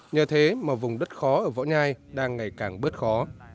nhờ thế mà vùng đất khó ở võ nhai đang ngày càng bớt khó